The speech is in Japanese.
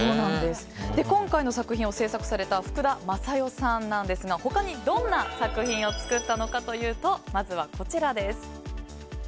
今回の作品を制作された福田理代さんですが他にどんな作品を作ったのかというとまずは、こちらです。